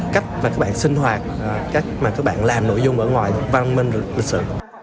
cách mà các bạn sinh hoạt cách mà các bạn làm nội dung ở ngoài được văn minh được lịch sử